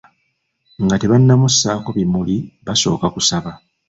Nga tebannamussaako bimuli, baasooka kusaba.